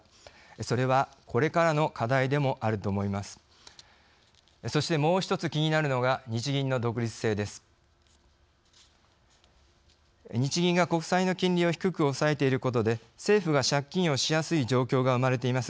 それは、これからの課題でもあると思います。